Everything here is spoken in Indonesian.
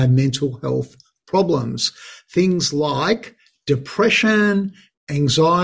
dan kejahatan kematian yang lebih tinggi